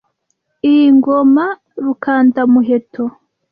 Iyi ngoma Rukandamuheto